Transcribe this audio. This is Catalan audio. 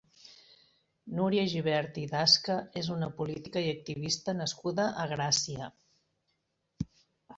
Núria Gibert i Dasca és una política i activista nascuda a Gràcia.